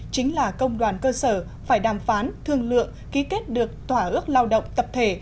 chính là công đoàn cơ sở phải đàm phán thương lượng ký kết được thỏa ước lao động tập thể